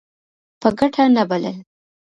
په ګټه نه بلل.